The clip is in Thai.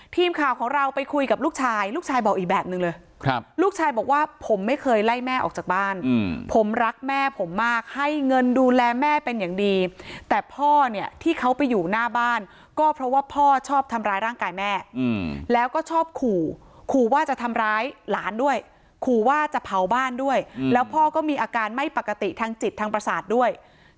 ทีมข่าวของเราไปคุยกับลูกชายลูกชายบอกอีกแบบนึงเลยครับลูกชายบอกว่าผมไม่เคยไล่แม่ออกจากบ้านผมรักแม่ผมมากให้เงินดูแลแม่เป็นอย่างดีแต่พ่อเนี่ยที่เขาไปอยู่หน้าบ้านก็เพราะว่าพ่อชอบทำร้ายร่างกายแม่แล้วก็ชอบขู่ขู่ว่าจะทำร้ายหลานด้วยขู่ว่าจะเผาบ้านด้วยแล้วพ่อก็มีอาการไม่ปกติทางจิตทางประสาทด้วย